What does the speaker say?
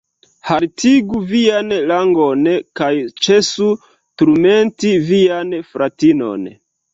Haltigu vian langon kaj ĉesu turmenti vian fratinon.